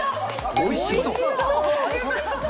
おいしそう？